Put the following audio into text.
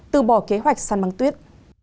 từ bỏ kế hoạch săn băng tuyết